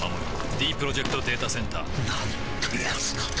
ディープロジェクト・データセンターなんてやつなんだ